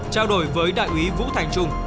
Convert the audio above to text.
trao đổi với đại úy vũ thành trung